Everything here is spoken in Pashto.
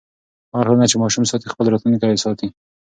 هغه ټولنه چې ماشوم ساتي، خپل راتلونکی ساتي.